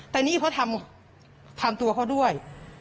แต่นี่เขาทำตัวเขาด้วย